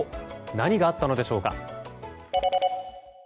何があったのでしょうか。